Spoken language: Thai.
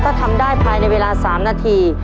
ถ้าทำได้ภายในเวลา๓นาที